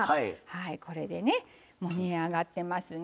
これでねもう煮上がってますね。